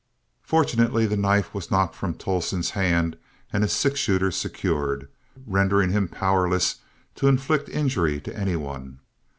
Fortunately the knife was knocked from Tolleston's hand and his six shooter secured, rendering him powerless to inflict injury to any one.